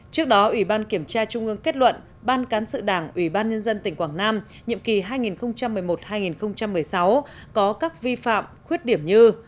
trước đó ủy ban kiểm tra trung ương kết luận ban cán sự đảng ủy ban nhân dân tỉnh quảng nam nhiệm kỳ hai nghìn một mươi một hai nghìn một mươi sáu có các vi phạm khuyết điểm như